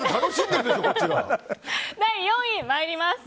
第４位参ります。